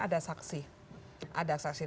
ada saksi ada saksi